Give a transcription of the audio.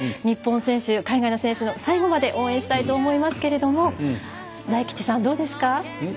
日本選手、海外の選手も最後まで応援したいと思いますけれども大吉さん、どうですか？